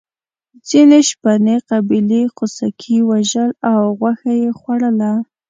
ځینې شپنې قبیلې خوسکي وژل او غوښه یې خوړله.